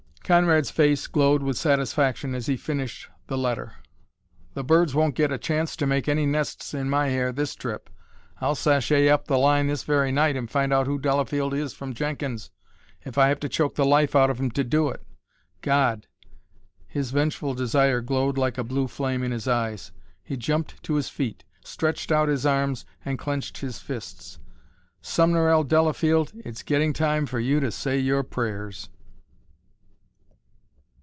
Conrad's face glowed with satisfaction as he finished the letter. "The birds won't get a chance to make any nests in my hair this trip! I'll sashay up the line this very night and I'll find out who Delafield is from Jenkins, if I have to choke the life out of him to do it. God!" His vengeful desire glowed like a blue flame in his eyes. He jumped to his feet, stretched out his arms, and clenched his fists. "Sumner L. Delafield, it's getting time for you to say your prayers!"